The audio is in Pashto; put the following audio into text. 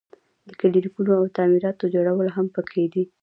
د کلینیکونو او تعمیراتو جوړول هم پکې دي.